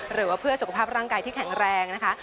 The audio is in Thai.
หรือว่าเพื่อสุขภาพร่างกายที่แข็งแรงนะคะ